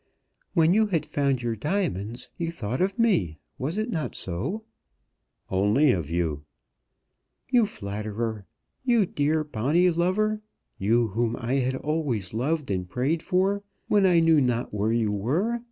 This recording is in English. "When you had found your diamonds, you thought of me, was it not so?" "Of you only." "You flatterer! You dear, bonny lover. You whom I had always loved and prayed for, when I knew not where you were!